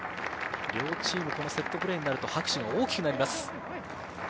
両チーム、セットプレーになると拍手が大きくなります。